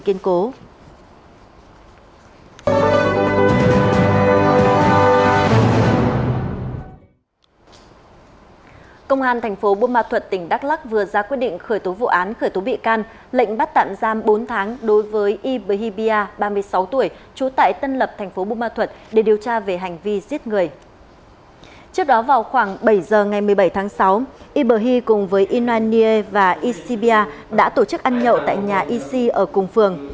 khoảng bảy giờ ngày một mươi bảy tháng sáu iberhi cùng với inoan nie và isibia đã tổ chức ăn nhậu tại nhà isi ở cùng phường